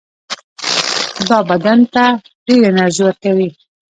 دا بدن ته ډېره انرژي ورکوي.